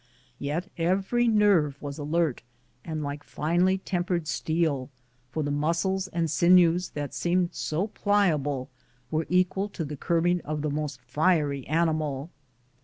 Yet every nerve was alert and like finely tempered steel, for the muscles and sinews that seemed so pliable were equal to the curbing of the most fiery animal.